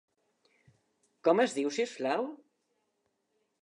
Com es diu, si us plau?